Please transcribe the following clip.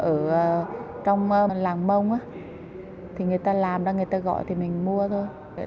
ở trong làng mông người ta làm ra người ta gọi thì mình mua thôi